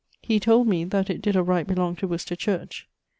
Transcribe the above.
He told me that it did of right belong to Worcester Church.